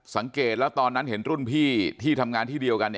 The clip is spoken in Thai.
สังเกตแล้วตอนนั้นเห็นรุ่นพี่ที่ทำงานที่เดียวกัน